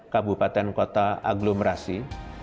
kabupaten kota aglomerasi